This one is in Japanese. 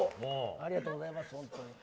ありがとうございます。